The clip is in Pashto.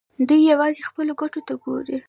دوی یوازې خپلو ګټو ته ګوري.